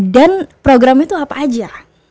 dan programnya tuh apa aja